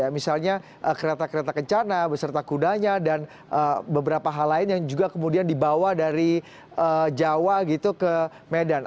misalnya kereta kereta kencana beserta kudanya dan beberapa hal lain yang juga kemudian dibawa dari jawa gitu ke medan